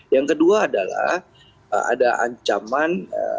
yang kedua adalah ada ancaman